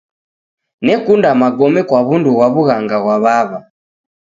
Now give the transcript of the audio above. Nekunda magome kwa w'undu ghwa w'ughanga ghwa w'aw'a.